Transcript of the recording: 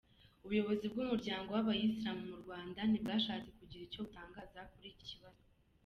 Ubuyobozi bw’Umuryango w’Abayisilamu mu Rwanda ntibwashatse kugira icyo butangaza kuri iki kibazo.